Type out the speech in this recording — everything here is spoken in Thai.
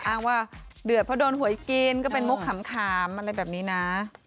อ้างว่าเดือดเพราะโดนหวยกินก็เป็นมุกขำอะไรแบบนี้นะ